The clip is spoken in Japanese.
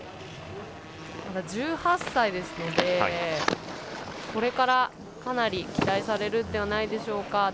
１８歳ですので、これからかなり期待されるんではないでしょうか。